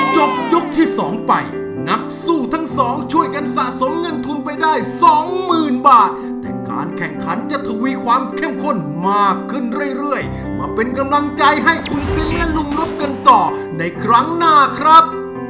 จบยกที่สองไปนักสู้ทั้งสองช่วยกันสะสมเงินทุนไปได้สองหมื่นบาทแต่การแข่งขันจะทวีความเข้มข้นมากขึ้นเรื่อยมาเป็นกำลังใจให้คุณซิมและลุงนบกันต่อในครั้งหน้าครับ